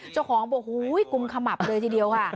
เจ้าของบอกกุมขมับเลยทีเดียวค่ะ